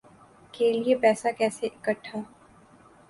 کے لیے پیسہ کیسے اکھٹا